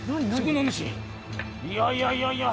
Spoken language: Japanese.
いやいやいや。